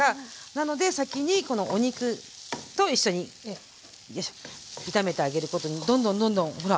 なので先にこのお肉と一緒によいしょ炒めてあげることにどんどんどんどんほら。